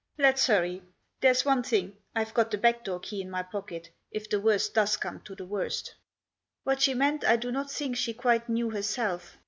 " Let's hurry. There's one thing, I've got the back door key in my pocket, if the worst does come to the worst." What she meant I do not think she quite knew her self.